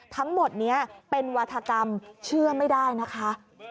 ทั้งหมดนี้เป็นวัฒกรรมเชื่อไม่ได้นะคะ